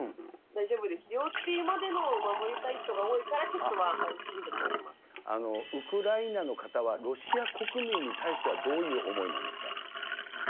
大丈夫ですよっていうまでの守りたい人が多いから、ちょっとは安ウクライナの方は、ロシア国民に対してはどういう思いなんですか？